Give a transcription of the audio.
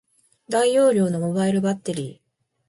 大容量のモバイルバッテリー